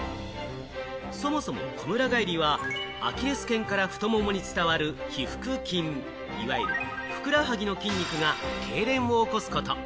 そもそも、こむら返りはアキレス腱から太ももに伝わる腓腹筋、いわゆるふくらはぎの筋肉がけいれんを起こすこと。